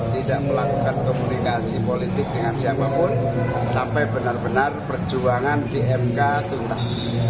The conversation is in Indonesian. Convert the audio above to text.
tidak melakukan komunikasi politik dengan siapapun sampai benar benar perjuangan di mk tuntas